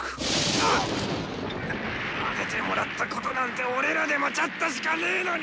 なっなでてもらったことなんて俺らでもちょっとしかねえのに！